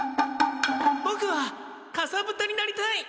ボクはかさぶたになりたい！